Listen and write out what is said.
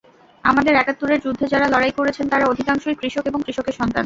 আমাদের একাত্তরের যুদ্ধে যাঁরা লড়াই করেছেন, তাঁরা অধিকাংশই কৃষক এবং কৃষকের সন্তান।